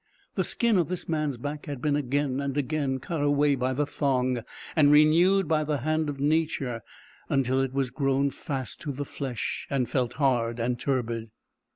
The skin of this man's back had been again and again cut away by the thong, and renewed by the hand of nature, until it was grown fast to the flesh, and felt hard and turbid.